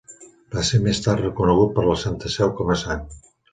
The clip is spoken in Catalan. Va ser més tard reconegut per la Santa Seu com a sant.